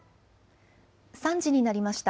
３時になりました。